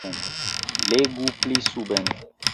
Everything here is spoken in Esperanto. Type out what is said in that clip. Legu pli suben.